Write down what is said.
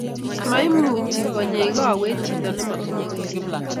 Maimuchi konyee kowet chito ne matinye kelek